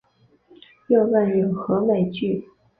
又问有何美句？